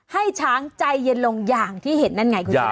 ให้ช้างใจเย็นลงอย่างที่เห็นนั่นไงคุณชนะ